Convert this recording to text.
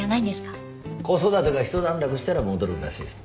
子育てがひと段落したら戻るらしい。